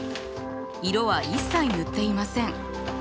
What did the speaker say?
色は一切塗っていません。